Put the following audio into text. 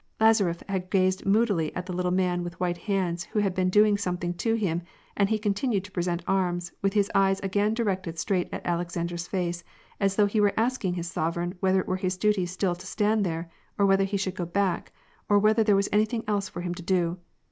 Lazaref had gazed moodily at the little man with white hands who had been do ing something to him, and he continued to present arms, with his eyes again directed straight at Alexander's face, as though he were asking his sovereign whether it were his duty still to stand there, or whether he should go back, or whether there was anything else for him to do.